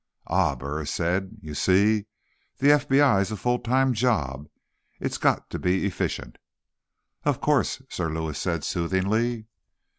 "Ah," Burris said. "You see? The FBI's a full time job. It's got to be efficient." "Of course," Sir Lewis said soothingly.